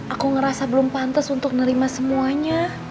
aku ngerasa belum pantas untuk nerima semuanya